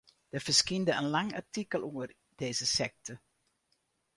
Der ferskynde in lang artikel oer dizze sekte.